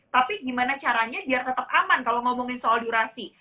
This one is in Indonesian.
tapi gimana caranya biar tetap aman kalau ngomongin soal durasi